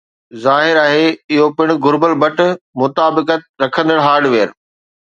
ظاھر آھي اھو پڻ گھربل بٽ-مطابقت رکندڙ هارڊويئر